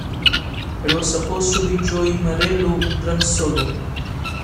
It was supposed to be a Joe Morello drum solo.